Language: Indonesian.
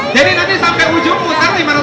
jadi nanti sampai ujungmu